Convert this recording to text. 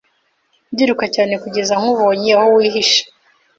Ndiruka cyane kugeza nkubonye aho wihisha